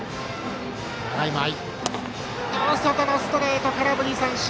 外のストレート、空振り三振。